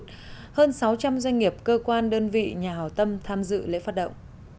hơn sáu trăm linh doanh nghiệp cơ quan đơn vị nhà hào tâm tham dự lễ phát động